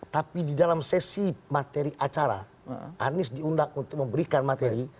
tapi di dalam sesi materi acara anies diundang untuk memberikan materi